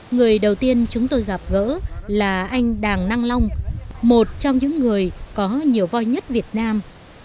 người đầu tiên chúng tôi gặp gỡ là anh đàng năng long một trong những người có nhiều voi nhất việt nam